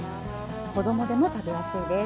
子どもでも食べやすいです。